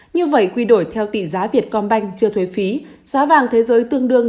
như vậy quy đổi theo tỷ giá việtcombank chưa thuê phí giá vàng thế giới tương đương